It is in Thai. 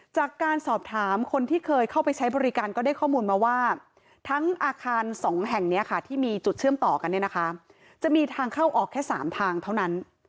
จากการสอบถามคนที่เคยเข้าไปใช้บริการก็ได้ข้อมูลมาว่าทั้งอาคาร๒แห่งนี้ค่ะที่มีจุดเชื่อมต่อกันเนี่ยนะคะจะมีทางเข้าออกแค่๓ทางเท่านั้น